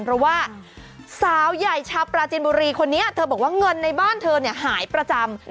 เพราะว่าสาวใหญ่ชาวปราจินบุรีคนนี้เธอบอกว่าเงินในบ้านเธอเนี่ยหายประจำ